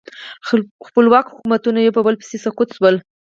خپلواک حکومتونه یو په بل پسې سقوط شول.